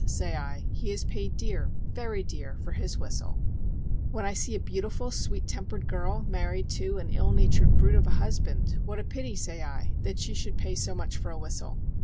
_ say I, he has paid dear, very dear, for his whistle. When I see a beautiful, sweet tempered girl married to an ill natured brute of a husband, What a pity, say I, that she should pay so much for a whistle!